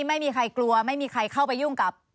ไม่มีใครกลัวไม่มีใครเข้าไปยุ่งกับ